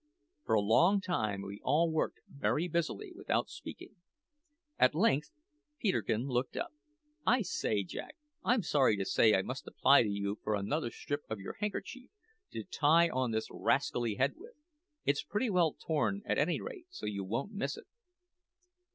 For a long time we all worked very busily without speaking. At length Peterkin looked up. "I say, Jack, I'm sorry to say I must apply to you for another strip of your handkerchief to tie on this rascally head with. It's pretty well torn at any rate, so you won't miss it."